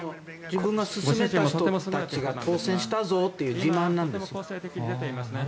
自分が薦めた人たちが当選したぞという自慢なんです。